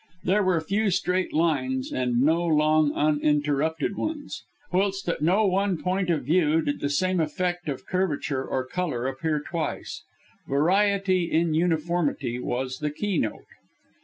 There were few straight lines, and no long uninterrupted ones; whilst at no one point of view did the same effect of curvature or colour appear twice. Variety in uniformity was the keynote.